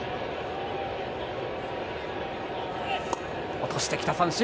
落としてきた三振！